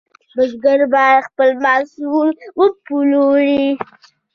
بزګر باید خپل محصول وپلوري.